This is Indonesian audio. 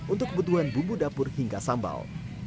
untuk kebutuhan bumbu dapur hingga sambal